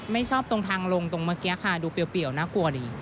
ไม่ชอบตรงทางลงตรงเมื่อกี้ค่ะดูเปรี้ยวน่ากลัวดี